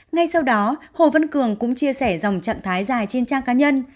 ngay sau đó hồ văn cường cũng chia sẻ dòng trạng thái dài trên trang cá nhân